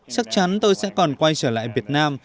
chắc chắn tôi sẽ còn quay trở lại việt nam